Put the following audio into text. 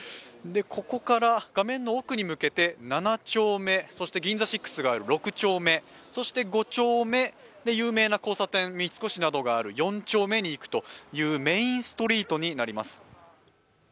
ここから画面の奥に向けて、７丁目、そしてＧＩＮＺＡＳＩＸがある６丁目、５丁目、そして有名な交差点三越などがある４丁目メインストリートになります。